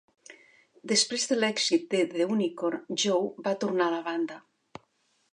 Després de l'èxit de "The Unicorn", Joe va tornar a la banda.